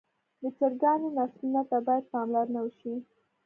د چرګانو نسلونو ته باید پاملرنه وشي.